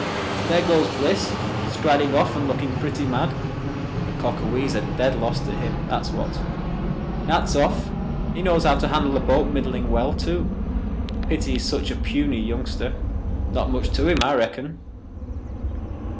There goes Bliss, striding off and looking pretty mad. The Cockawee's a dead loss to him, that's what. Nat's off—he knows how to handle a boat middling well, too. Pity he's such a puny youngster. Not much to him, I reckon."